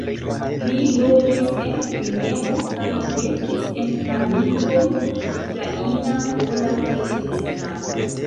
Li loĝis en Krimeo, kaj verkis en la lingvoj ukraina, pola kaj en Esperanto.